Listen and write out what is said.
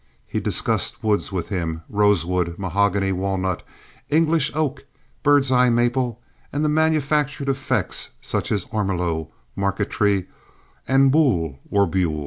He discussed woods with him—rosewood, mahogany, walnut, English oak, bird's eye maple, and the manufactured effects such as ormolu, marquetry, and Boule, or buhl.